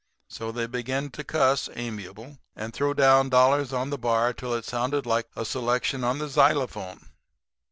So they began to cuss, amiable, and throw down dollars on the bar till it sounded like a selection on the xylophone.